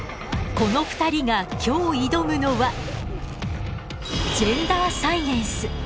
この２人が今日挑むのはジェンダーサイエンス。